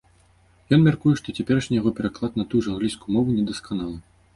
Ён мяркуе, што цяперашні яго пераклад на тую ж англійскую мову недасканалы.